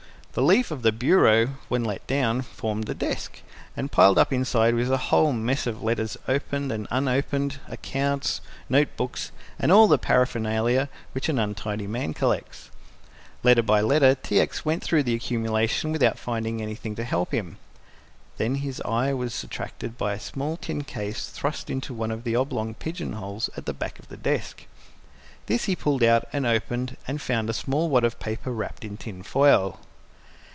The leaf of the bureau, when let down, formed the desk, and piled up inside was a whole mass of letters opened and unopened, accounts, note books and all the paraphernalia which an untidy man collects. Letter by letter, T. X. went through the accumulation without finding anything to help him. Then his eye was attracted by a small tin case thrust into one of the oblong pigeon holes at the back of the desk. This he pulled out and opened and found a small wad of paper wrapped in tin foil.